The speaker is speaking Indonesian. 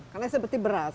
karena seperti beras